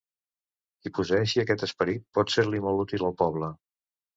Qui posseeixi aquest esperit pot ser-li molt útil al poble.